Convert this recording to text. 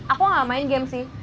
aku gak main game sih